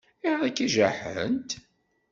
Ayɣer akka i jaḥent?